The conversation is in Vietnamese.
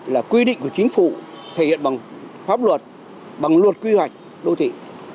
là quy định của chính phủ thể hiện bằng pháp luật bằng luật quy hoạch đô thị